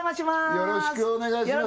よろしくお願いします